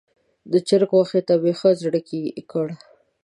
د چرګ غوښې ته مې زړه ښه کړ.